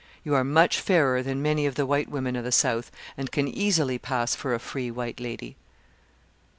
You are much fairer than many of the white women of the South, and can easily pass for a free white lady."